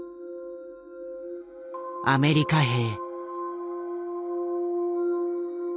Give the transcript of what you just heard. アメリカ兵。